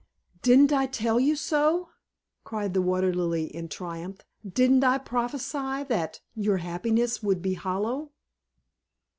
"Didn't I tell you so?" cried the Water Lily in triumph. "Didn't I prophesy that your happiness would be hollow?"